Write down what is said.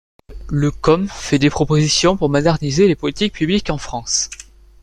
Le CoM fait des propositions pour moderniser les politiques publiques en France.